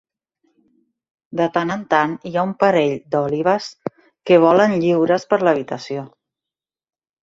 De tant en tant hi ha un parell d'òlibes que volen lliures per l'habitació.